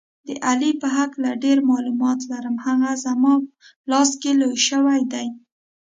د علي په هکله ډېر معلومات لرم، هغه زما لاس کې لوی شوی دی.